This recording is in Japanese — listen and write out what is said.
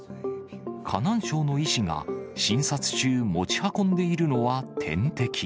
河南省の医師が、診察中、持ち運んでいるのは点滴。